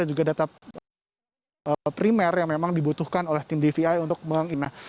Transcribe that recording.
dan juga data primer yang memang dibutuhkan oleh tim dvi untuk mengimah